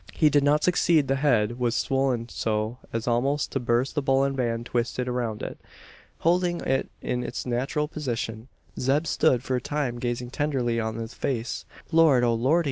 He did not succeed. The head was swollen so as almost to burst the bullion band twisted around it! Holding it in its natural position, Zeb stood for a time gazing tenderly on the face. "Lord, O Lordy!"